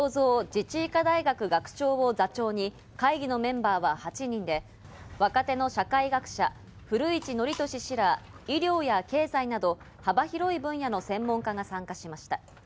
自治医科大学長を座長に会議のメンバーは８人で、分かっての社会学者・古市憲寿氏ら医療や経済など幅広い分野の専門家が参加しました。